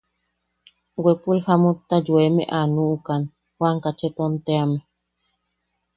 Wepul jamutta yoeme a nuʼukan Juan Kacheton teame.